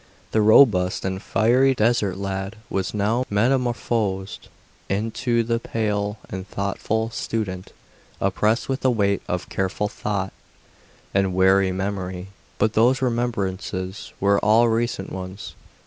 The robust and fiery desert lad was now metamorphosed into the pale and thoughtful student, oppressed with the weight of careful thought and weary memory. But those remembrances were all recent ones.